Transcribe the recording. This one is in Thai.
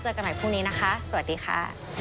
กันใหม่พรุ่งนี้นะคะสวัสดีค่ะ